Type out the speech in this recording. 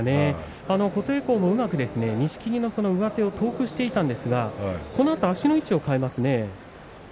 琴恵光もうまく錦木の腕を遠くしていたんですがこのあと足の位置を変えましたね。